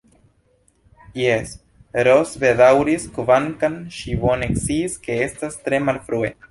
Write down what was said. Jes, Ros bedaŭris, kvankam ŝi bone sciis, ke estas tre malfrue.